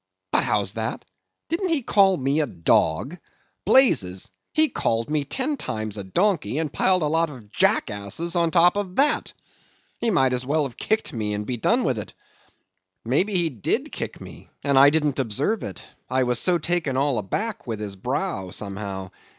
But how's that? didn't he call me a dog? blazes! he called me ten times a donkey, and piled a lot of jackasses on top of that! He might as well have kicked me, and done with it. Maybe he did kick me, and I didn't observe it, I was so taken all aback with his brow, somehow.